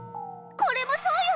これもそうよ。